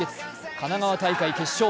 神奈川県大会・決勝。